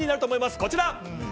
こちら。